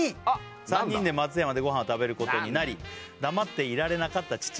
「３人で松山でごはんを食べることになり」「黙っていられなかった父が」